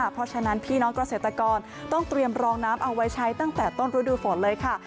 เพราะฉะนั้นพี่น้องเกษตรกรต้องเตรียมรองน้ำเอาไว้ใช้ตั้งแต่ต้นฤดูฝนเลยค่ะ